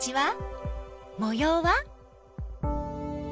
もようは？